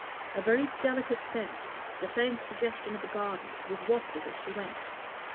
A very delicate scent, the faint suggestion of a garden, was wafted as she went.